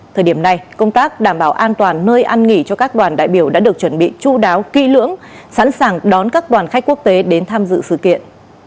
thời điểm này công tác đảm bảo an toàn nơi ăn nghỉ cho các đoàn đại biểu đã được chuẩn bị chú đáo kỹ lưỡng sẵn sàng đón các đoàn khách quốc tế đến tham dự sự kiện